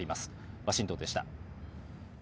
ワシントンでした。